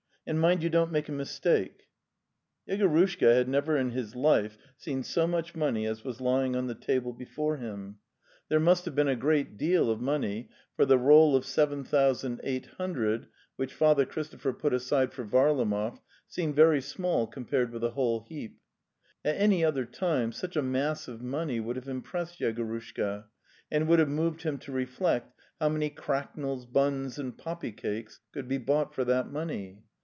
And mind you don't make ai Mistakes yc Yegorushka had never in his life seen so much money as was lying on the table before him. There 198 The Tales of Chekhov must have been a great deal of money, for the roll of seven thousand eight hundred, which Father Christopher put aside for Varlamov, seemed very small compared with the whole heap. At any other time such a mass of money would have impressed Yegorushka, and would have moved him to reflect how many cracknels, buns and poppy cakes could be bought for that money.